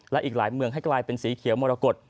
และอีกหลายเมืองให้กลายเป็นสีเขียวมรกฏ